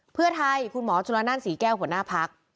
เพื่อไทยคุณหมอจุลนั่นศรีแก้วหัวหน้าพัก